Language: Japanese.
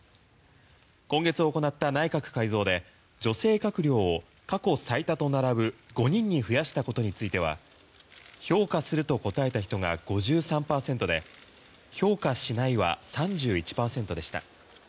今月行った内閣改造で女性閣僚を過去最多と並ぶ５人に増やしたことについては評価すると答えた人が５３％で評価しないは３１％でした。